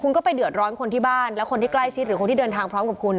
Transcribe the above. คุณก็ไปเดือดร้อนคนที่บ้านและคนที่ใกล้ชิดหรือคนที่เดินทางพร้อมกับคุณ